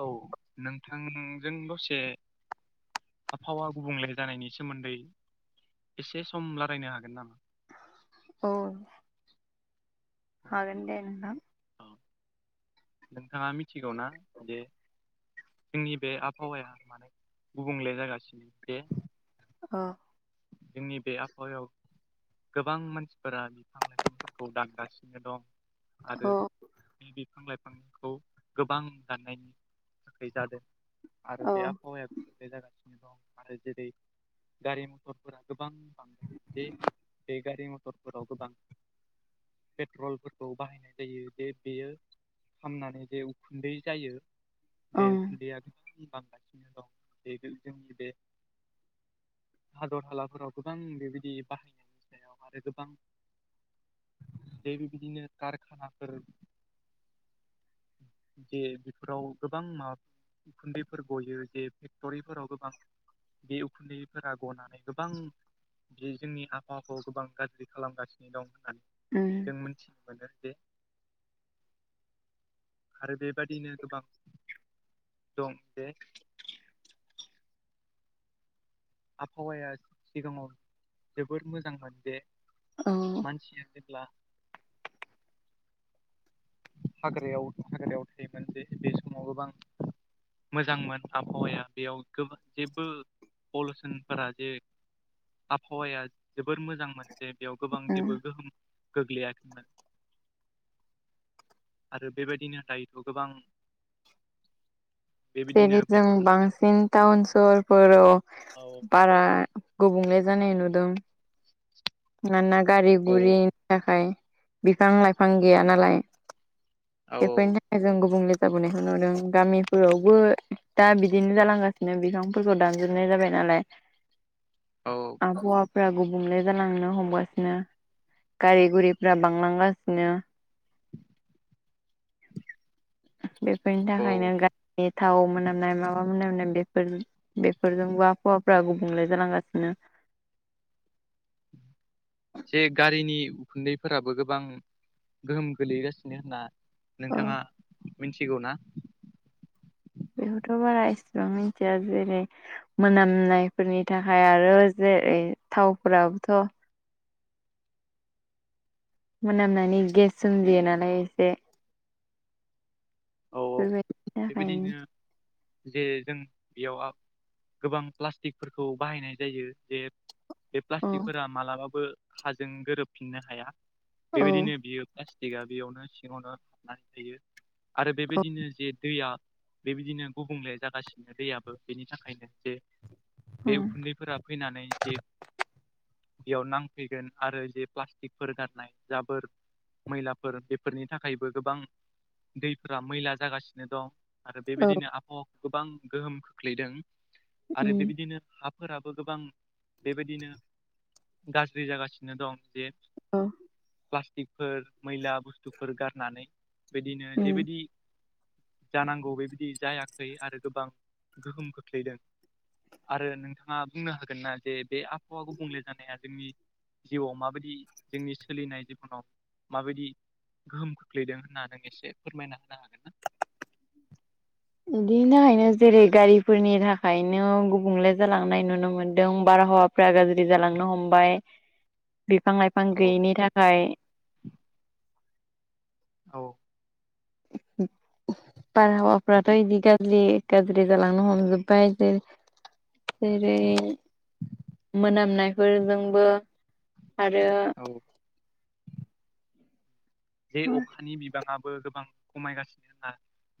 औ नोंथांजों दसे। आबहावा गुबुंले जानायनि सोमोन्दै एसे सम रायलायनो हागोन नामा? औ औ हागोन दे नोंथां। औ नोंथाङा मिथिगौ ना जे। जोंनि बे आबहावाया माने गुबुंले जागासिनो जे। औ। जोंनि बे आबहावायाव गोबां मानसिफोरा बिफां लाइ फांफोरखौ दानगासिनो दं। आरो औ बे बिफां लाइफांखौ गोबां दाननायनि थाखाय जादों आरो बे ओं आबहावाया जागासिनो दं आरो जेरै गारि मथरफोरा गोबां जे बे गारि मथरफोराव गोबां पेट्रलफोरखौ बाहायनाय जायो जे बेयो खामनानै जे उखुन्दै जायो। बे उम उखुन्दैया गोबां बांगासिनो दं बे जोंनि बे हादर हालाफोराव गोबां बेबायदि बाहायनायनि सायाव आरो गोबां जे बिदिनो कारखानाफोर जे बेफोराव गोबां माबा उखुन्दैफोर गयो जे फेक्ट'रिफोराव गोबां बे उखुन्दैफोरा गनानै गोबां बे जोंनि आबहावाखौ गोबां गाज्रि खालामगासिनो दं होननानै उम। जों मोनथिनो मोनो जे आरो बेबादिनो गोबां दं जे आबहावाया सिगाङाव जोबोर मोजांमोन जे औ उम मानसिया जेब्ला हाग्रायाव हाग्रायाव थायोमोन जे बे समाव गोबां मोजांमोन आबहावाया बेयाव गोबां जेबो पलुसनफोरा जे आबहावाया जोबोर मोजांमोन जे बेयाव गोबां जेबो गोहोम गोग्लैयाखैमोन। आरो बेबायदिनो दायोथ' गोबां बेबायदिनो जेरै जों बिफां लाइफां बांसिन टाउन सहरफोराव औ। बारा गुबुंले जानाय नुदों। मानोना गारि गुरिनि थाखाय बिफां लाइफां गैया नालाय। औ बेफोरनि थाखाय जों गुबुंले जाबोनायखौ नुदों गामिफोरावबो दा बिदिनो जालांगासि बिदिनो बिफांफोरखौ दानजोबनाय जाबाय नालाय। औ। आबहावाफोरा गुबुंले जालांनो हमगासिनो। गारि गुरिफोरा बांलांगासिनो। बेफोरनि औ थाखायनो गारिनि थाव मोनामनाय माबा मोनामनाय बेफोर बेफोरजोंबो आबहावाफ्रा गुबुंले जालांगासिनो। जे गारिनि उखुन्दैफोराबो गोबां गोहोम गोलैगासिनो होनना ओ नोंथाङा मिथिगौ ना? बेखौथ' बारा इसिबां मिथिया जेरै मोनामनायफोरनि थाखाय आरो जेरै थावफोराबोथ' मोनामनानै गेस सोमजियो नालाय एसे औ औ बेफोरबायदिनि थाखायनो बेबायदिनो जे जों बेयाव गोबां प्लास्टिकफोरखौ बाहायनाय जायो जे बे औ प्लास्टिकफोरा मालाबाबो हाजों गोरोबफिननो हाया औ बेबायदिनो बियो प्लास्टिकआ बेयावनो सिङावनो हाबनानै थायो आरो औ बेबायदिनो जे दैया बेबायदिनो गुबुंले जागासिनो दैयाबो बेनि थाखायनो जे बे उम उखुन्दैफोरा फैनानै जे बेयाव नांफैगोन आरो ज प्लास्टिकफोर गारनाय जाबोर मैलाफोर बेफोरनि थाखायबो गोबां दैफोरा मैला जागासिनो दं आरो औ बेबायदिनो आबहावा गोबां गोहोम खोख्लैदों आरो उम बेबायदिनो हा फोराबो गोबां बेबायदिनो गाज्रि जागासिनो दं जे औ। प्लास्टिकफोर मैला बुस्थुफोर गारनानै बिदिनो उम जेबायदि जानांगौ बेबायदि जायाखै आरो गोबां गोहोम खोख्लैदों। आरो नोंथाङा बुंनो हागोन ना जे बे आबहावा गुबुंले जानाया जोंनि जिउआव माबायदि जोंनि सोलिनाय जिबनाव माबायदि गोहोम खोख्लैदों होनना नों एसे फोरमायना होनो हागोन ना? बिदिनि थाखायनो जेरै गारिफोरनि थाखायनो गुबुंले जालांनाय नुनो मोन्दों बारहावा फ्रा गाज्रि जालांनो हमबाय [inaudible] बिफां लाइफां औ गैयिनि थाखाय औ। बारहावाफ्राथ' बे बिदि गाज्रि गाज्रि जालांनो हमजोबबाय जेजेरै मोनामनायफोरजोंबो आरो औ। जे अखानि बिबाङाबो गोबां खमायगासिनो होनना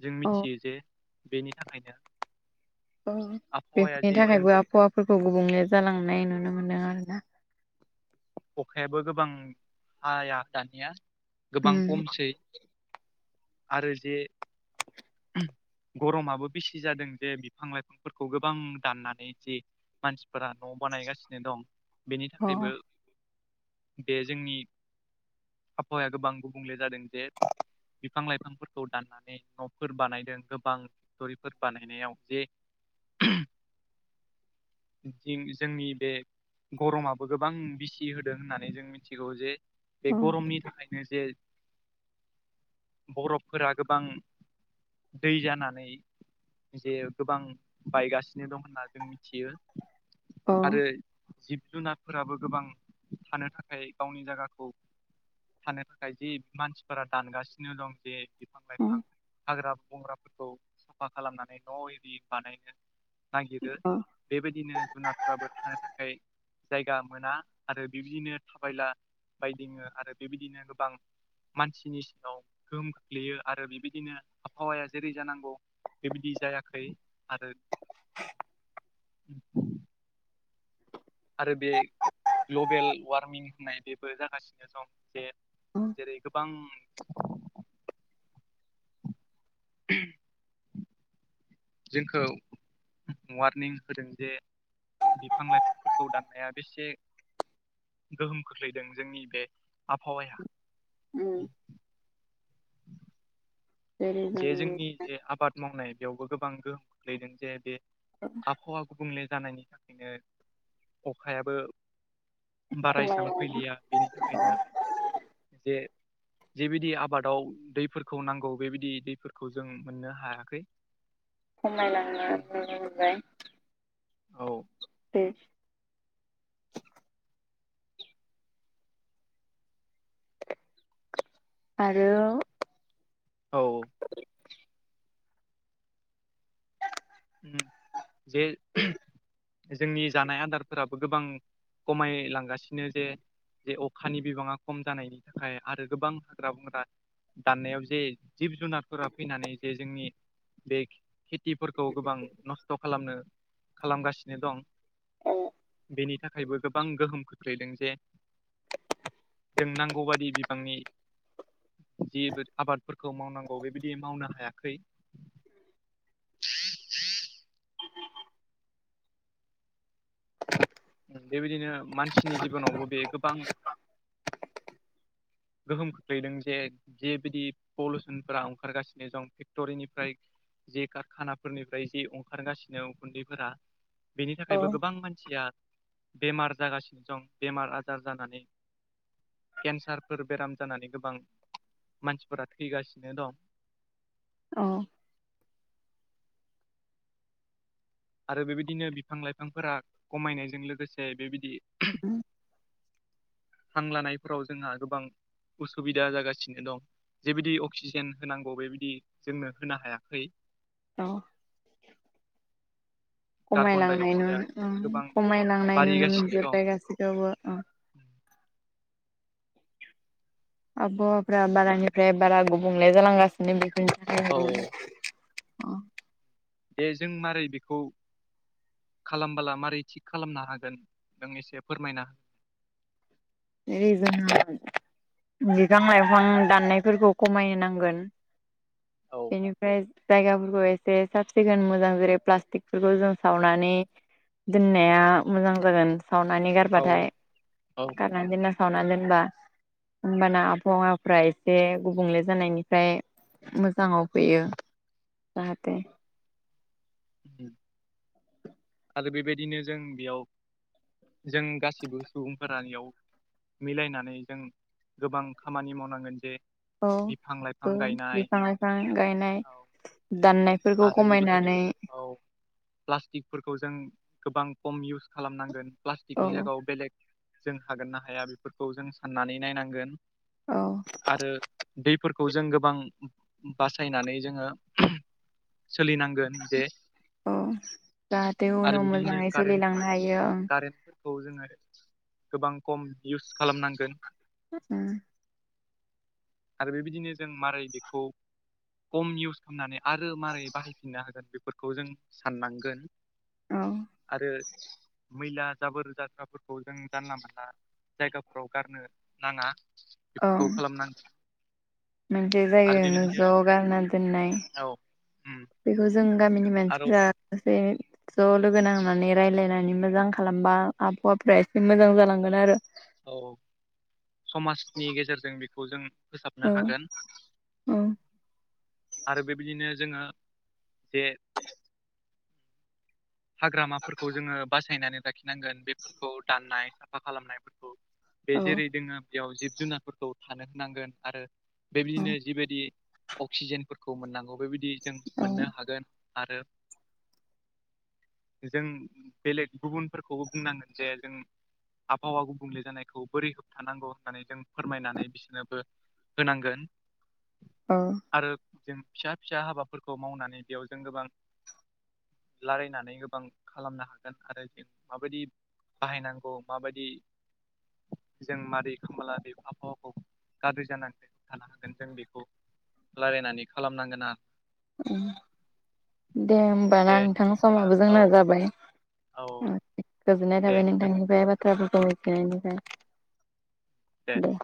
जों औ मिथियो जे बेनि थाखायनो अ आबहावाया बेफोरनि जे जों थाखायबो आबहावाफोरखौ गुबुंले जालांनाय नुनो मोनदों आरोना। अखायाबो गोबां हाया दानिया गोबां खमसै। आरो जे गरमाबो बेसे जादों जे बिफां लाइफांफोरखौ गोबां दाननानै जि मानसिफोरा न' बानायगासिनो दं बेनि थाखायबो बे जोंनि आबहावाया गोबां गुबुंले जादों जे बिफां लाइफांफोरखौ दाननानै न'फोर बानायदों गोबां टरिफोर बानायनायाव जे जोंनि बे गरमाबो गोबां बिसि होदों होननानै जों मिथिगौ जे बे गरमनि थाखायनो जे बरफफोरा गोबां दै जानानै जे गोबां बायगासिनो दं होनना जों मिथियो। आरो जिब जुनारफोराबो गोबां थानो थाखाय गावनि जायगाखौ थानो थाखाय जि मानसिफोरा दानगासिनो दं जे बिफां लाइफां हाग्रा बंग्राफोरखौ साफा खालामनानै न' एरि बानायनो नागिरो। औ बेबायदिनो जुनारफ्राबो थानो थाखाय जायगा मोना आरो बेबदिनो थाबायला बायदिङो आरो बेबायदिनो गोबां मानसिनि सिङाव गोहोम खोख्लैयो आरो बेबायदिनो आबहावाया जेरै जानांगौ बेबायदि जायाखै आरो उम। आरो बे ग्लबेल वार्मिं होननाय बेबो जागासिनो द जे जेरै गोबां [inaudible] जोंखौ वारनिं होदों जे बिफां लाइफांफोरखौ दानफायाखै जे गोहोम खोख्लैदों जोंनि बे आबहावाया [inaudible] जेरै जे जों जोंनि जे आबाद मावनाय बेयावबो गोबां गोहोम खोख्लैदों जे बे आबहावा गुबुंले जानायनि थाखायनो अखायाबो बारा खमाय एसां फैलिया बेनि थाखायनो जे जेबायदि आबादाव दैफोरखौ नांगौ बेबायदि दैफोरखौ जों मोननो हायाखै खमायलांनाय नुनो मोनबाय औ दे आरो औ [unintelligible] ओम जे जोंनि जानाय आदारफोराबो गोबां खमायलांगासिनो जे जे अखानि बिबाङा खम जानायनि थाखाय आरो गोबां हाग्रा बंग्रा दाननायाव जे जिब जुनारफोरा फैनानै जे जोंनि बे खेथिफोरखौ खौ गोबां नस्थ' खालामनो खालामगासिनो दं। बेनि थाखायबो गोबां गोहोम खोख्लैदों जे जों नांगौबाददि बिबांनि जि बो आबादफोरखौ मावनांगौ बेबायदि मावनो हायाखै। बेबायदिनो मानसिनि जिबनावबो बे गोबां गोहोम खोख्लैदों जे जे बिदि पलिुसनफोरा ओंखारगासिनो दं फेक्टरिनिफ्राय। जे कारखानाफोरनिफ्राय जि ओंखारगासिनो उखुन्दैफोरा बेनि औ थाखायबो गोबां मानसिया बेमार जागासिनो दं बेमार आजार जानानै केन्सार फोर बेराम जानानै गोबां मानसिफोरा थैगासिनो दं। अ आरो बेबायदिनो बिफां लाइफांफोरा खमायनायजों लोगोसे बेबायदि [unintelligible] हां लानायफोराव जोंहा गोबां उसुबिदा जागासिनो दं। जेबायदि अक्सिजेन होनांगौ बेबायदि जोंनो होनो हायाखै। औ कार्बन डाइ खमायलांनाय नु अक्साइडआ गोबां खमायलांनाय नुनो बारिगासिनो दं मोनजोबबाय गासैखौबो। आबहावाफ्रा बारानिफ्राय बारा गुबुंले जालांगासिनो बेफोरनि औ थाखाय दे जों मारै बेखौ खालामबोला मारै थिग खालामनो हागोन नों एसे फोरमायनो हो जेनै जों बिफां लाइफां दाननायफोरखौ खमायनो नांगोन। हो बेनिफ्राय जायगाफोरखौ एसे साब सिखोन मोजां जेरै प्लास्टिकफोरखौ जों सावनानै दोननाया मोजां जागोन सावनानै औ गारबाथाय। औ [unintelligible] सावना दोनबा होमबाना आबहावाफ्रा एसे गुबुंले जानायनिफ्राय मोजां मोजाङाव फैयो जाहाथे आरो बेबायदिनो जों बेयाव जों गासिबो सुबुंफोराइयाव मिलायनानै जों गोबां खामानि मावनांगोन जे औ बिफां लाइफां ओं गायनाय बिफा लायफां गायनाय दाननाय बेफोरखौ आरो बेबायदिनो खमायनानै औ प्लास्टिकफोरखौ जों गोबां खम इउस खालामनांगोन औ प्लास्टिकनि जायगायाव बेलेग जों हागोन ना हाया बेफोरखौ जों साननानै नायनांगोन औ आरो दैफोरखौ जों गोबां बासायनानै जोंङो सोलिनांगोन अ जाहाथे आरो उनाव मोजाङै सोलिलांनो हायो ओं। फोरखौ जोंङो गोबां खम इउस खालामनांगोन। [unintelligible] आरो बेबायदिनो जों मारै बेखौ खम इउस खालामनानै आरो मारै बाहायफिनना होगोन बेखौ फोरखौ जों साननांगोन। औ आरो मैला जाबोर जाग्राफोरखौ जों जानला मोनानला जायगाफोराव गारनो नाङा बेफोरखौ खालामनांगोन। मोनानसे आरो ज न बेबायदिनो जौग न दोननाय औ उम बेखौ जों गामिनि आरो मानसिफासै ज' लोगो नांनानै रायज्लायनानै मोजां खालामबा आबहावाफ्रा एसे मोजां जालांगोन आरो। औ समाजनि गेजेरजों बेखौ जों औ फोसाबनो हागोन। औ आरो बेबायदिनो जोङो जे हाग्रामाफोरखौ जोङो बासायनानै लाखिनांगोन बेफोरखौ दाननाय साफा खालामनायफोरखौ। बे जेरै औ दोङो बेयाव जिब जुनारफोरखौ थानो होनांगोन आरो बेबायदिनो जिबायदि अक्सिजेनफोरखौ मोननांगौ बेबायदि जों औ मोननो हागोन आरो जों बेलेग गुबुनफोरखौबो बुंनांगोन जे जों आबहावा गुबुंले जानायखौ बोरै होबथानांगौ होननानै जों फोरमायनानै बिसोरनोबो होनांगोन। अ। आरो जों फिसा फिसा हाबाफोरखौ मावनानै बेयाव जों गोबां रायलायनानै गोबां खालामनो हागोन आरो जों माबायदि बाहायनांगौ माबायदि जों मारै खामाला बे आबहावाखौ गाज्रि जानानै थानो हागोन जों बेखौ रायलायनानै खालामनांगोन आरो। दे होमबाना दे नोंथांनि समाबो औ जोंना जाबाय। औ गोजोननाय दे थाबाय नोंथांनिफ्राय दोनथ'नोसै औ बाथ्राफोरखौ मिथििनायनिफ्राय दे।